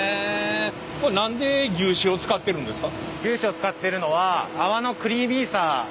何で牛脂を使ってるんですか？